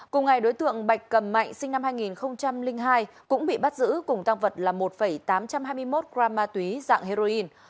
cùng ngày đối tượng bạch cầm mạnh sinh năm hai nghìn hai cũng bị bắt giữ cùng tăng vật là một tám trăm hai mươi một gram ma túy dạng heroin